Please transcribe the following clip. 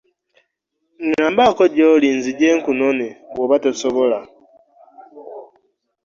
Ngambako gyoli nzije kunone bwoba tosobola.